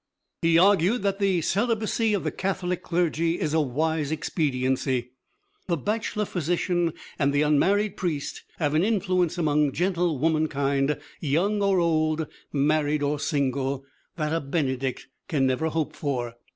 He argued that the celibacy of the Catholic clergy is a wise expediency. The bachelor physician and the unmarried priest have an influence among gentle womankind, young or old, married or single, that a benedict can never hope for.